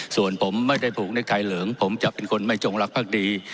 ส่วนผมไม่ได้ผูกในไทยเหลิงผมจะเป็นคนไม่จงรักภักดี